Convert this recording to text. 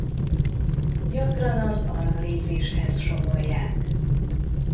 Gyakran az analízishez sorolják.